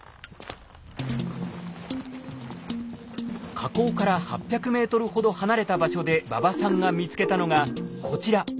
火口から８００ｍほど離れた場所で馬場さんが見つけたのがこちら。